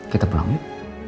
kita pulang yuk